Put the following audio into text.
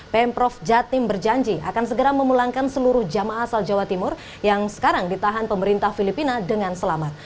pemprov jatim berjanji akan segera memulangkan seluruh jamaah asal jawa timur yang sekarang ditahan pemerintah filipina dengan selamat